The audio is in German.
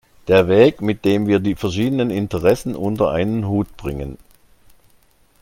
Ein Weg, mit dem wir die verschiedenen Interessen unter einen Hut bringen.